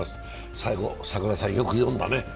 最後、櫻井さん、よく読んだね。